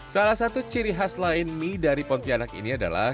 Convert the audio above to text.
salah satu ciri khas lain mie dari pontianak ini adalah